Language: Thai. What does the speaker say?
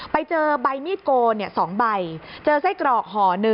ไปเจอใบมีดโกน๒ใบเจอไส้กรอกห่อ๑